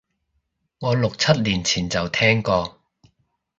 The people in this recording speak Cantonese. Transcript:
我六七年前就聽過